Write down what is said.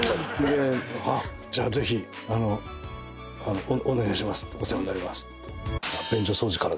であっじゃあぜひあのお願いしますってお世話になりますって。とか言われて。